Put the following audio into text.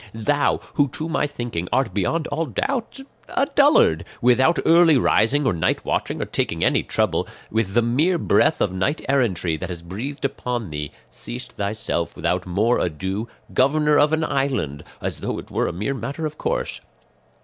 Thou, who, to my thinking, art beyond all doubt a dullard, without early rising or night watching or taking any trouble, with the mere breath of knight errantry that has breathed upon thee, seest thyself without more ado governor of an island, as though it were a mere matter of course.